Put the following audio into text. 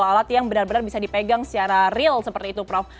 alat yang benar benar bisa dipegang secara real seperti itu prof